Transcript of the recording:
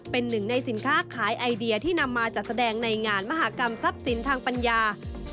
เป็นหนึ่งในสินค้าขายไอเดียที่นำมาจัดแสดงในงานมหากรรมทรัพย์สินทางปัญญา